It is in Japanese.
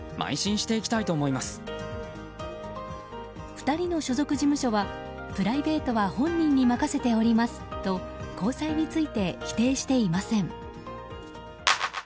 ２人の所属事務所はプライベートは本人に任せておりますと交際について否定していません。